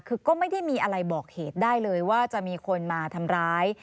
คือก็ไม่ได้มีอะไรบอกเหตุได้เลยว่าจะมีคนมาทำร้าย